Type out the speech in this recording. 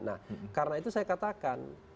nah karena itu saya katakan